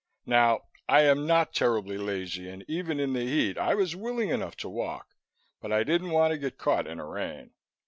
Now I am not terribly lazy, and even in the heat I was willing enough to walk. But I didn't want to get caught in a rain.